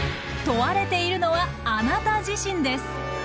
問われているのはあなた自身です。